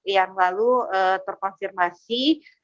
yang lalu terkonfirmasi